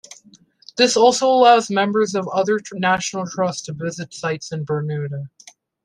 This also allows members of other National Trusts to visit sites in Burmuda.